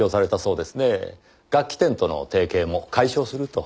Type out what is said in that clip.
楽器店との提携も解消すると。